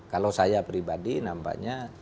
kalau saya pribadi nampaknya